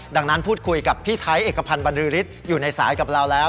ดังนั้นพูดคุยกับพี่ไทยเอกพันธ์บรรลือฤทธิ์อยู่ในสายกับเราแล้ว